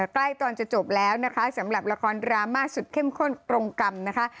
ใกล้ตอนจะจบแล้วนะคะสำหรับละครดราม่าสุดเข้มข้นกรงกรรมนะคะ